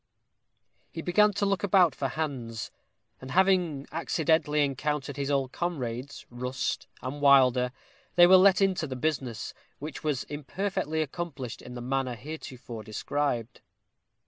He began to look about for hands; and having accidentally encountered his old comrades, Rust and Wilder, they were let into the business, which was imperfectly accomplished in the manner heretofore described.